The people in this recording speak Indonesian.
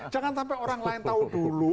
jangan sampai orang lain tahu dulu